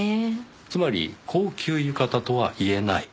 つまり高級浴衣とは言えない？